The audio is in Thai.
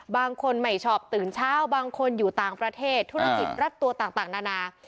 บางคนไม่ชอบตื่นเช้าบางคนอยู่ต่างประเทศธุรกิจรับตัวต่างนานา